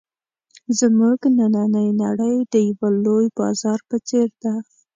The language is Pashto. زموږ نننۍ نړۍ د یوه لوی بازار په څېر ده.